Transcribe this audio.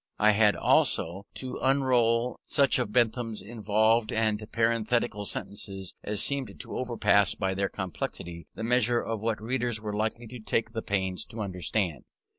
I had also to unroll such of Bentham's involved and parenthetical sentences as seemed to overpass by their complexity the measure of what readers were likely to take the pains to understand.